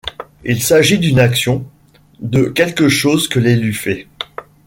Il s’agit d’une action, de quelque chose que l’élu fait.